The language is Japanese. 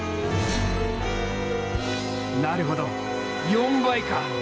なるほど４倍か！